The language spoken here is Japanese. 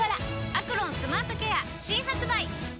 「アクロンスマートケア」新発売！